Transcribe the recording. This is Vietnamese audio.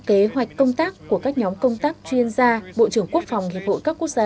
kế hoạch công tác của các nhóm công tác chuyên gia bộ trưởng quốc phòng hiệp hội các quốc gia